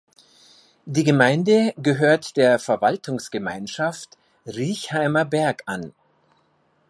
Die Gemeinde gehört der Verwaltungsgemeinschaft Riechheimer Berg an.